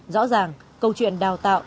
rõ ràng câu chuyện đào tạo